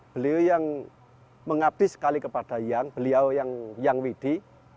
beliau yang mengabdi sekali kepada yang beliau yang widi